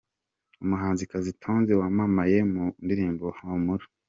Umuhanzikazi Tonzi wamamaye mu ndirimbo Humura.